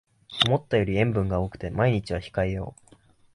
思ったより塩分が多くて毎日は控えよう